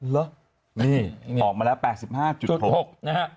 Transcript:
เหรอนี่ออกมาแล้ว๘๕๖นะฮะ